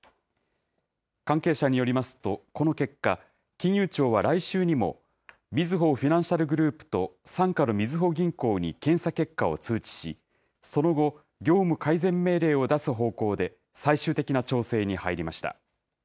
関係者によりますと、この結果、金融庁は来週にも、みずほフィナンシャルグループと傘下のみずほ銀行に検査結果を通知し、その後、業務改善命令を出す方向で最終的な調整に入りました。